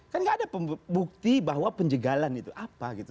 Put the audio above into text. kan nggak ada bukti bahwa penjagalan itu apa gitu